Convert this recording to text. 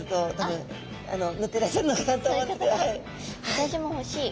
私もほしい。